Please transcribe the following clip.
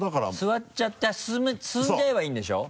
座っちゃって進んじゃえばいいんでしょ？